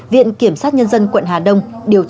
viện kiểm sát nhân dân quận hà đông điều tra làm rõ vụ việc